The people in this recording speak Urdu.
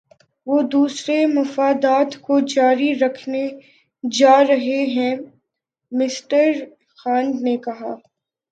وہ دوسرے مفادات کو جاری رکھنے جا رہے ہیں مِسٹر جان نے کہا